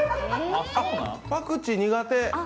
パクチー苦手？